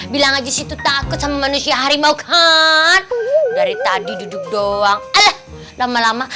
bilang aja situ takut sama manusia harimau cur dari tadi duduk doang lama lama